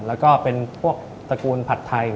แล้วก็เป็นพวกตระกูลผัดไทย